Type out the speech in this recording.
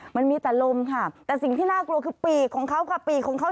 มันมีแต่ลมแต่สิ่งที่น่ากลัวคือปีของเขา